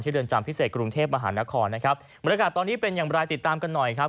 เรือนจำพิเศษกรุงเทพมหานครนะครับบรรยากาศตอนนี้เป็นอย่างไรติดตามกันหน่อยครับ